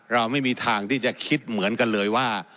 เราไม่มีทางที่จะคิดเหมือนกันเลยว่า